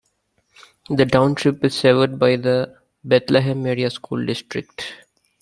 The township is served by the Bethlehem Area School District.